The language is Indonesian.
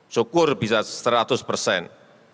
syukur bisa seratus persen